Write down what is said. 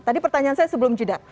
tadi pertanyaan saya sebelum jeda